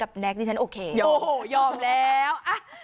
กับแอดซังโอเคโอยอมแล้ว